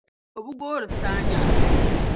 o bi goori saanyaɣisibu.